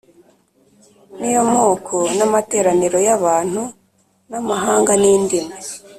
ni yo moko n’amateraniro y’abantu n’amahanga n’indimi.